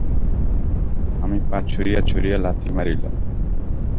আমি পা ছুঁড়িয়া ছুঁড়িয়া লাথি মারিলাম।